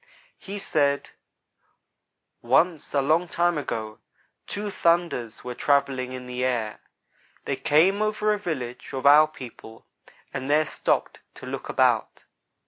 He said: "Once, a long time ago, two 'thunders' were travelling in the air. They came over a village of our people, and there stopped to look about.